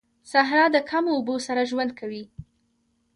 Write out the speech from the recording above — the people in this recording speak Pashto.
صحرا د کمو اوبو سره ژوند کوي